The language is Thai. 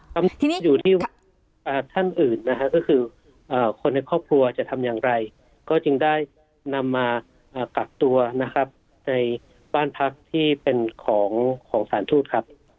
ตอนนี้อยู่ที่ว่าท่านอื่นนะฮะก็คือคนในครอบครัวจะทำอย่างไรก็จึงได้นำมากักตัวนะครับในบ้านพักที่เป็นของสารทูตครับ